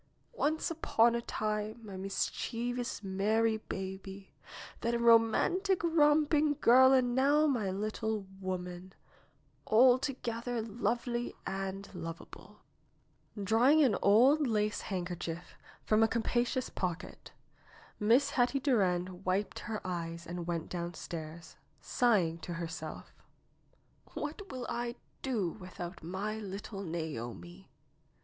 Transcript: '^Once upon a time my mischievous, merry baby, then a romantic, romping girl and now my little woman, alto gether lovely and lovable." Drawing an old lace handkerchief from a capacious pocket. Miss Hetty Durand wiped her eyes and went downstairs, sighing to herself: ^'What will I do without my little Naomi?"